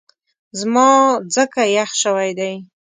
زما ځکه یخ شوی دی